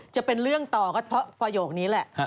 จะเป็นเรื่องต่อก็เพราะประโยคนี้แหละ